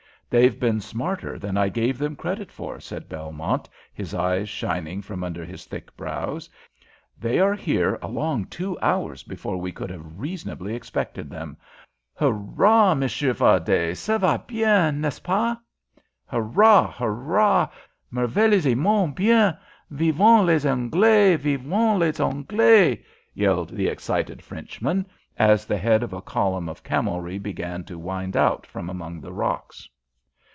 "They've been smarter than I gave them credit for," said Belmont, his eyes shining from under his thick brows. "They are here a long two hours before we could have reasonably expected them. Hurrah, Monsieur Fardet, ça va bien, n'est ce pas?" "Hurrah, hurrah! merveilleusement bien! Vivent les Anglais! Vivent les Anglais!" yelled the excited Frenchman, as the head of a column of camelry began to wind out from among the rocks.